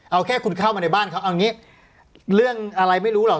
เอาแค่คุณเข้ามาในบ้านเขาเอาอย่างนี้เรื่องอะไรไม่รู้หรอก